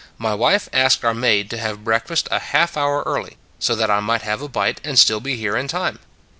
My wife asked our maid to have breakfast a half hour early so that I might have a bite and still be here in time."